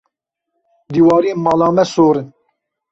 Dîwarên mala me sor in.